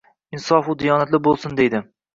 Insofu diyonatli bo`lsin, deydi